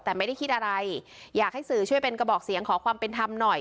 แต่ไม่ได้คิดอะไรอยากให้สื่อช่วยเป็นกระบอกเสียงขอความเป็นธรรมหน่อย